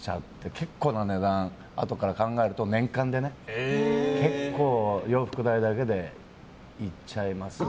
結構な値段あとから考えると、年間でね結構、洋服代だけでいっちゃいますね。